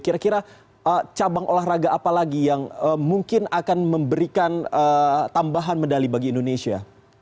kira kira cabang olahraga apa lagi yang mungkin akan memberikan tambahan medali bagi indonesia